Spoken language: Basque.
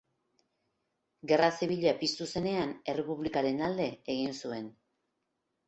Gerra Zibila piztu zenean, Errepublikaren alde egin zuen.